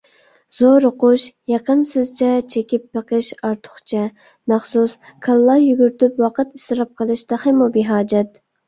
زورۇقۇش، يېقىمسىزچە چېكىپ بېقىش ئارتۇقچە. مەخسۇس كاللا يۈگۈرتۈپ ۋاقىت ئىسراپ قىلىش تېخىمۇ بىھاجەت.